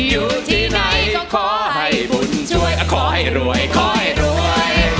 อยู่ที่ไหนขอให้บุญช่วยขอให้รวยขอให้รวย